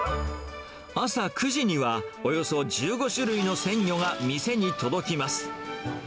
朝９時には、およそ１５種類の鮮魚が店に届きます。